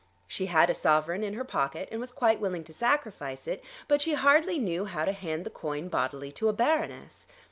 She had a sovereign in her pocket, and was quite willing to sacrifice it; but she hardly knew how to hand the coin bodily to a Baroness.